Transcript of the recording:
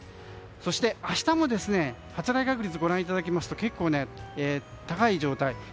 そして明日も発雷確率ご覧いただきますと結構高い状態です。